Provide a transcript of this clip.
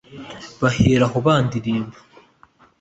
bahera aho bandirimba